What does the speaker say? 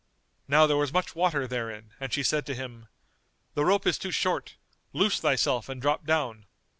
Now there was much water therein and she said to him, "The rope is too short; loose thyself and drop down."